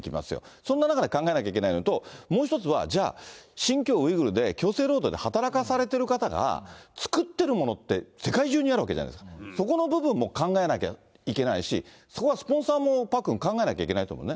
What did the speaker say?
そんな中で考えなきゃいけないのと、もう１つはじゃあ、新疆ウイグルで強制的に働かされてる方が作ってるものって、世界中にあるわけじゃないですか、そこの部分も考えなきゃいけないし、そこはスポンサーも、パックン考えなきゃいけないね。